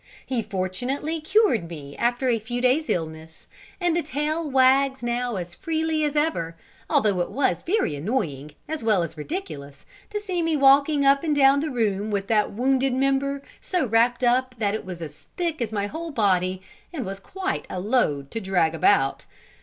He fortunately cured me after a few days' illness, and the tail wags now as freely as ever, although it was very annoying, as well as ridiculous, to see me walking up and down the room with that wounded member so wrapped up that it was as thick as my whole body, and was quite a load to drag about.